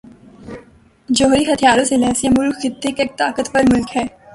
جوہری ہتھیاروں سے لیس یہ ملک خطے کا ایک طاقتور ملک ہے